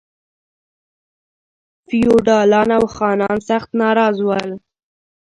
فیوډالان او خانان سخت ناراض ول.